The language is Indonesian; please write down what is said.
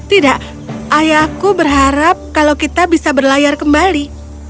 tidak ayahku berharap kalau kita bisa berlayar kembali